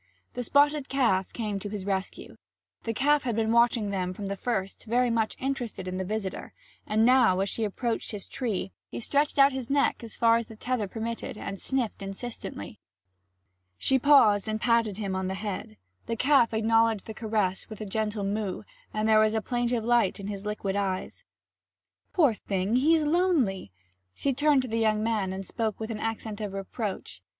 The spotted calf came to his rescue. The calf had been watching them from the first, very much interested in the visitor; and now, as she approached his tree, he stretched out his neck as far as the tether permitted and sniffed insistently. She paused and patted him on the head. The calf acknowledged the caress with a grateful moo; there was a plaintive light in his liquid eyes. 'Poor thing he's lonely!' She turned to the young man and spoke with an accent of reproach.